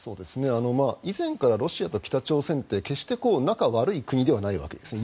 以前からロシアと北朝鮮って決して仲が悪い国ではないわけですね。